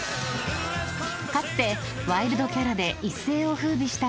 ［かつてワイルドキャラで一世を風靡したスギちゃん］